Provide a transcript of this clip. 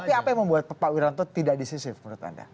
tapi apa yang membuat pak wiranto tidak decisive menurut anda